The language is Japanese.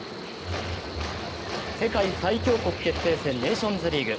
世界最強国決定戦ネーションズリーグ。